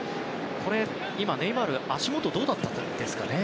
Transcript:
今、ネイマールは足元、どうだったんですかね。